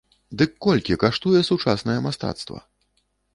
Дык колькі каштуе сучаснае мастацтва?